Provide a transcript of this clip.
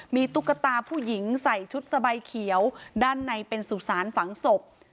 มีตุ๊กตาผู้หญิงใส่ชุดสบายเขียวด้านในเป็นสุสานฝังศพ